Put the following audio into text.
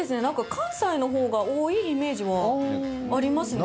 関西のほうが多いイメージはありますね。